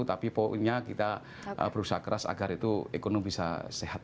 tapi poinnya kita berusaha keras agar itu ekonomi bisa sehat